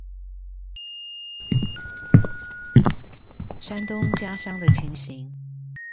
山東家鄉的情形